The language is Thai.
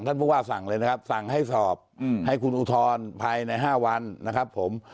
ผู้ว่าสั่งเลยนะครับสั่งให้สอบให้คุณอุทธรณ์ภายใน๕วันนะครับผม